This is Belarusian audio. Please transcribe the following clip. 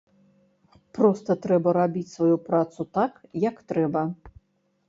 Проста трэба рабіць сваю працу так, як трэба.